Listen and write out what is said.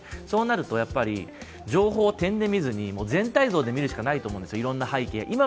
そうなると情報を点で見ずに全体像で見るしかないとおもうんですよ、いろいろな背景を。